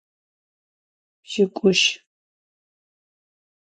Pş'ık'uşı.